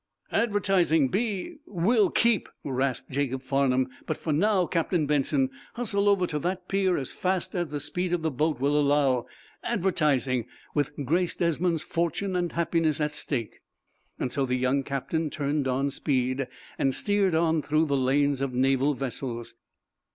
"Advertising be will keep!" rasped Jacob Farnum. "But, for now, Captain Benson, hustle over to that pier as fast as the speed of the boat will allow. Advertising with Grace Desmond's fortune and happiness at stake!" So the young captain turned on speed, and steered on through the lanes of Naval vessels.